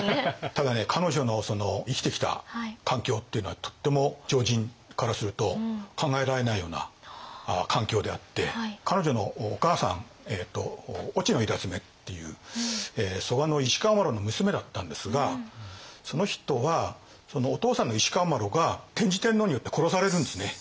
ただね彼女の生きてきた環境っていうのはとっても常人からすると考えられないような環境であって彼女のお母さん遠智娘っていう蘇我石川麻呂の娘だったんですがその人はお父さんの石川麻呂が天智天皇によって殺されるんですね。